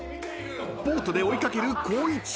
［ボートで追い掛ける光一］